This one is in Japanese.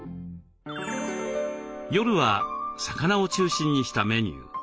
夜は魚を中心にしたメニュー。